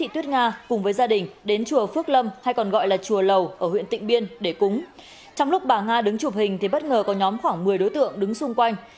trong lúc bà nga đứng chụp hình thì bất ngờ có nhóm khoảng một mươi đối tượng đứng xung quanh